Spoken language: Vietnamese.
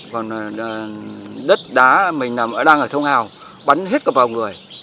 còn đất đá mình đang ở thôn hào bắn hết cả vào người